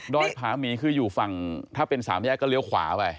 ผาหมีคืออยู่ฝั่งถ้าเป็นสามแยกก็เลี้ยวขวาไป